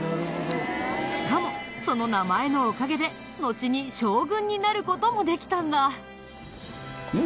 しかもその名前のおかげでのちに将軍になる事もできたんだ。